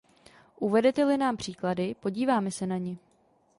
Uvedete-li nám příklady, podíváme se na ně.